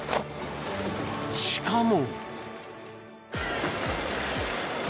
しかも。